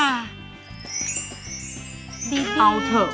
สวัสดีครับ